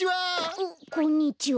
おっこんにちは。